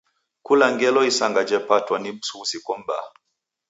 Kula ngelo isanga jepatwa ni msughusiko m'baa.